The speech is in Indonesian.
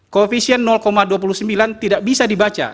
koefisien dua puluh sembilan tidak bisa dibaca